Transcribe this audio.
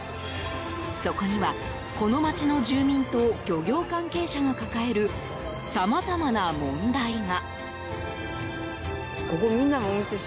そこには、この町の住民と漁業関係者が抱えるさまざまな問題が。